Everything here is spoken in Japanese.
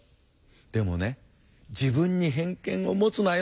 でもね自分に偏見を持つなよ」